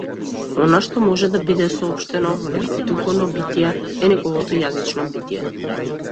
Она што може да биде соопштено во некое духовно битие е неговото јазично битие.